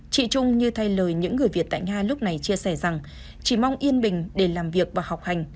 chị trung như thay lời những người việt tại nga lúc này chia sẻ rằng chỉ mong yên bình để làm việc và học hành